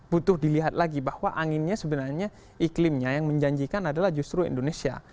butuh dilihat lagi bahwa anginnya sebenarnya iklimnya yang menjanjikan adalah justru indonesia